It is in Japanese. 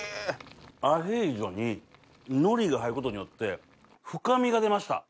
アヒージョに海苔が入ることによって深みが出ました。